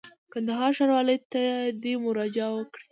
کندهار ښاروالۍ ته دي مراجعه وکړي.